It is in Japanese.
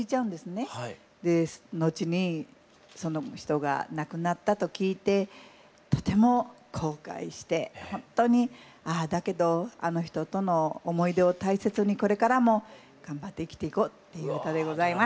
で後にその人が亡くなったと聞いてとても後悔して「ああだけどあの人との思い出を大切にこれからも頑張って生きていこう」っていう歌でございます。